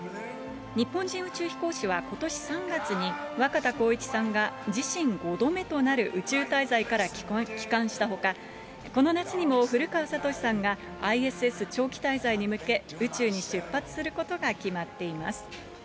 日本人宇宙飛行士はことし３月に、若田光一さんが自身５度目となる宇宙滞在から帰還したほか、この夏にも古川聡さんがＩＳＳ長期滞在に向け、宇宙に出発することが決まっています。